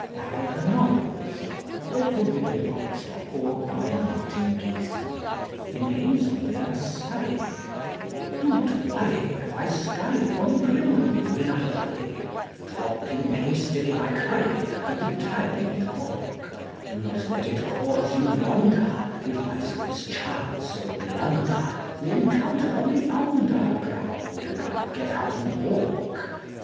182 SUCH NONSENSE! CUPID'S DARTS (Which are a growing menace to the public) Do not worry if I scurry from the grill room in a hurry, Dropping hastily my curry and re tiring into balk ; Do not let it cause you wonder if, by some mischance or blunder, We encounter on the Underground and I get out and walk.